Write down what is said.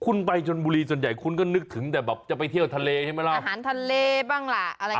คุณไปชนบุรีส่วนใหญ่คุณก็นึกถึงแต่แบบจะไปเที่ยวทะเลใช่ไหมล่ะอาหารทะเลบ้างล่ะอะไรอย่างนี้